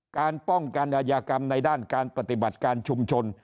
การป้องกันอายากรรมในด้านการปฏิบัติการชุมชน